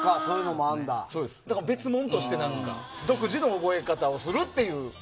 だから別物として独自の覚え方をするっていう。